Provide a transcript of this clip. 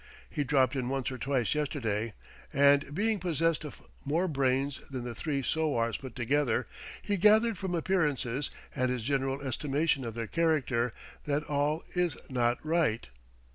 He dropped in once or twice yesterday, and being possessed of more brains than the three sowars put together, he gathered from appearances, and his general estimation of their character, that all is not right.